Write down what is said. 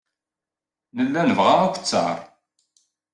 Nella nebɣa akk ttaṛ.